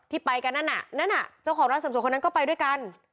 ไปกันนั่นน่ะนั่นน่ะเจ้าของร้านเสริมสวยคนนั้นก็ไปด้วยกัน